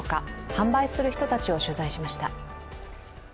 販売する人たちを取材しました。